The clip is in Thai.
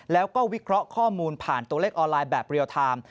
แล้วก็วิเคราะห์ข้อมูลผ่านตัวเลขออนไลน์แบบเรียลไทม์